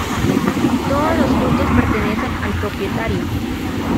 Todos los frutos pertenecen al propietario.